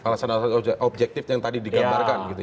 alasan alasan objektif yang tadi digambarkan